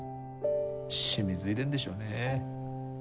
染みついでんでしょうね。